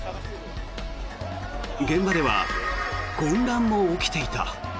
現場では混乱も起きていた。